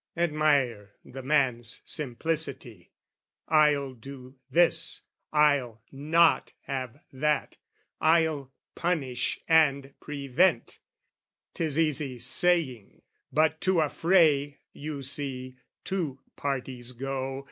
Admire the man's simplicity, "I'll do this, "I'll not have that, I'll punish and prevent!" 'Tis easy saying. But to a fray, you see, Two parties go.